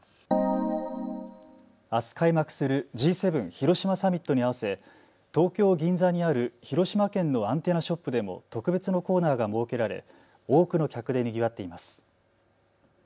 あす開幕するＧ７広島サミットに合わせ、東京銀座にある広島県のアンテナショップでも特別のコーナーが設けられ多くの客でにぎわっています。